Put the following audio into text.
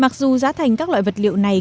mặc dù giá thành các loại vật liệu này